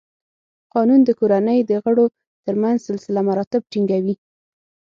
قانون د کورنۍ د غړو تر منځ سلسله مراتب ټینګوي.